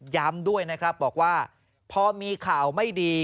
ย้ำด้วยนะครับบอกว่าพอมีข่าวไม่ดี